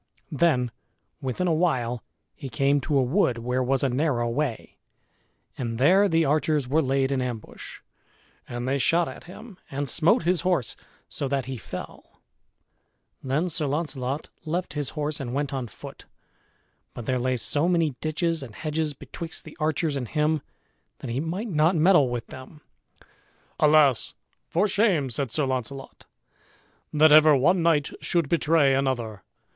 Then within a while he came to a wood where was a narrow way; and there the archers were laid in ambush. And they shot at him and smote his horse so that he fell. Then Sir Launcelot left his horse and went on foot, but there lay so many ditches and hedges betwixt the archers and him that he might not meddle with them. "Alas! for shame," said Sir Launcelot, "that ever one knight should betray another!